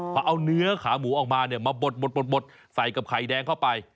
พอเอาเนื้อขาหมูออกมาเนี่ยมาบดใส่กับไข่แดงเข้าไป